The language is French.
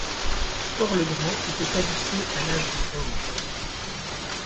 Port-le-Grand était habité à l'âge du bronze.